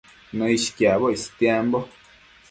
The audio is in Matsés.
Nëishquiacboc istiambo